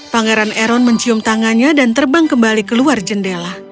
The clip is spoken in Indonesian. pangeran eron mencium tangannya dan terbang kembali keluar jendela